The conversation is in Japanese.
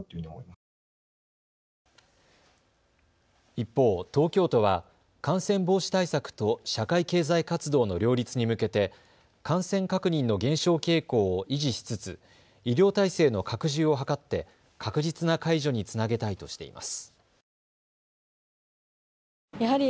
一方、東京都は感染防止対策と社会経済活動の両立に向けて感染確認の減少傾向を維持しつつ、医療体制の拡充を図って確実な解除につなげたいとしています。